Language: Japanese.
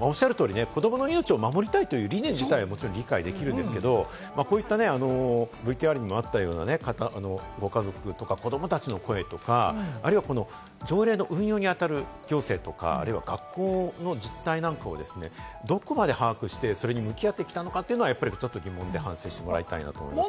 おっしゃる通り、子どもの命を守りたいという理念自体は理解できるんですけれども、こういったＶＴＲにもあったようなね、ご家族とか子供たちの声とか、あるいは条例の運用にあたる行政とか、あるいは学校の実態なんかをですね、どこまで把握して、それに向き合ってきたのかというのはちょっと疑問で反省してもらいたいなと思いますね。